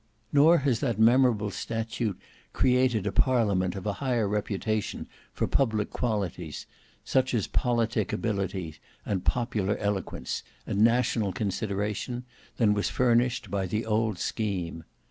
Nor has that memorable statute created a Parliament of a higher reputation for public qualities, such as politic ability, and popular eloquence, and national consideration, than was furnished by the old scheme.